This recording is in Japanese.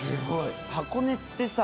箱根ってさ